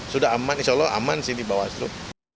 sudah aman insya allah aman sih di bawaslu